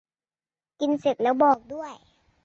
กินเสร็จแล้วบอกด้วย